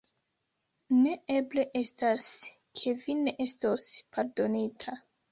Ne eble estas, ke vi ne estos pardonita.